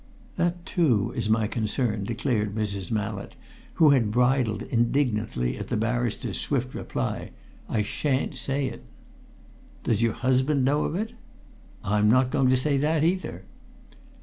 "That, too, is my concern," declared Mrs. Mallett, who had bridled indignantly at the barrister's swift reply. "I shan't say." "Does your husband know of it?" "I'm not going to say that, either!"